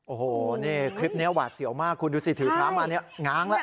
โอ้โหนี่คลิปนี้หวาดเสียวมากคุณดูสิถือพระมาเนี่ยง้างแล้ว